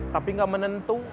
tapi gak menentu